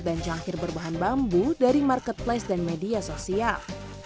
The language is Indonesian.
dan cangkir berbahan bambu dari marketplace dan media sosial